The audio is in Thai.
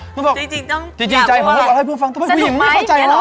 จริงต้องอยากว่าจริงใจหัวให้เพิ่งฟังต้องเป็นผู้หญิงไม่เข้าใจหรอ